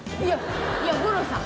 いや五郎さん